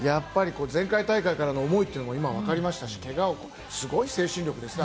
前回大会からの思いもわかりましたし、けがを超えて、すごい精神力ですね